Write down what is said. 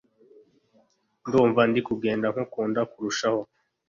ndumva ndi kugenda nkukunda kurushaho